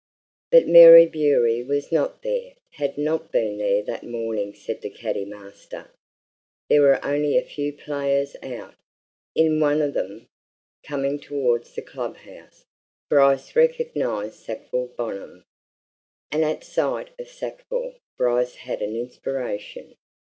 But Mary Bewery was not there had not been there that morning said the caddy master. There were only a few players out. In one of them, coming towards the club house, Bryce recognized Sackville Bonham. And at sight of Sackville, Bryce had an inspiration.